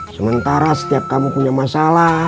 sementara setiap kamu punya masalah